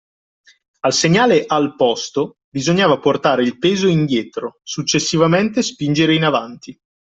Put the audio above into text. Al segnale “Al posto” bisogna portare il peso indietro, successivamente spingere in avanti.